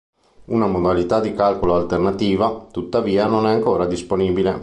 Una modalità di calcolo alternativa, tuttavia, non è ancora disponibile.